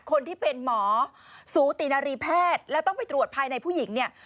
คนที่เป็นหมอสูตินารีแพทย์แล้วต้องไปตรวจภายในผู้หญิงเนี่ย